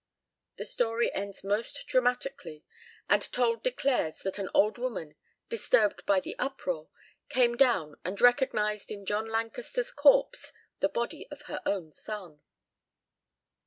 The story ends most dramatically, and Told declares that an old woman, disturbed by the uproar, came down and recognized in John Lancaster's corpse the body of her own son.